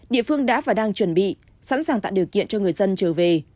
địa phương đã và đang chuẩn bị sẵn sàng tạo điều kiện cho người dân trở về